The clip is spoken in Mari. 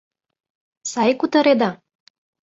Сай кутыреда?